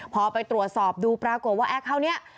พอไปตรวจสอบดูปรากฏว่าแอคเคาน์นี้